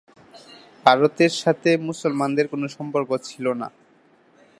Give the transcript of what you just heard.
ভারতের সাথে মুসলমানদের কোনো সম্পর্ক ছিল না।